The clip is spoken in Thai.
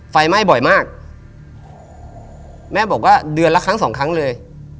ไฟไหม้บ่อยมากแม่บอกว่าเดือนละครั้งสองครั้งเลย